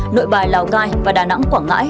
nội bài lào cai và đà nẵng quảng ngãi